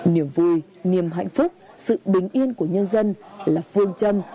niềm vui niềm hạnh phúc sự bình yên của nhân dân là phương châm